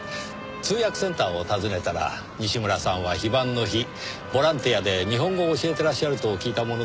通訳センターを訪ねたら西村さんは非番の日ボランティアで日本語を教えてらっしゃると聞いたものですから。